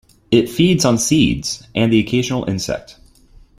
It feeds on seeds and the occasional insect.